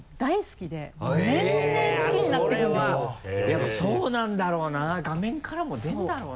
やっぱそうなんだろうな画面からも出るんだろうな。